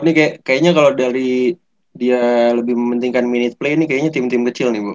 bu nih kayaknya kalo dari dia lebih mementingkan minute play nih kayaknya tim tim kecil nih bu